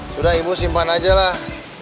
sudah ibu simpan aja lah